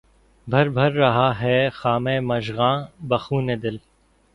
پهر بهر رہا ہے خامہ مژگاں، بہ خونِ دل